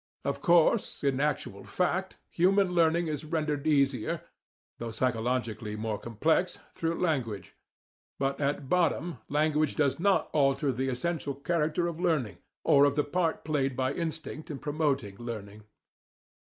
Of course, in actual fact, human learning is rendered easier, though psychologically more complex, through language; but at bottom language does not alter the essential character of learning, or of the part played by instinct in promoting learning.